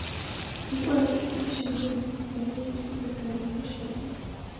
უკვე ერთი წლის შემდეგ, მოსახლეობას მისი დათვალიერება შეეძლო.